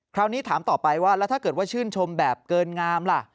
คราวนี้ถามต่อไปว่าแล้วถ้าเกิดว่าชื่นชมแบบเกินงามล่ะ